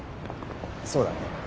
そうだね。